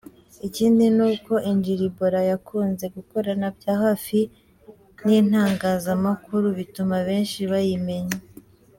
Ikindi ni uko Injiri Bora yakunze gukorana bya hafi n'itangazamakuru bituma benshi bayimenya.